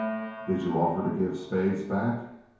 "Did y'u offer to give Spades back?"